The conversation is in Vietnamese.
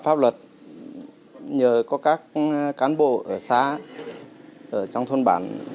phạm pháp luật nhờ có các cán bộ ở xá ở trong thôn bản